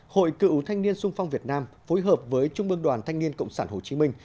hội cựu thanh niên sung phong việt nam phối hợp với trung mương đoàn thanh niên cộng sản hồ chí minh